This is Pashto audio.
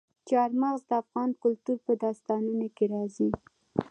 چار مغز د افغان کلتور په داستانونو کې راځي.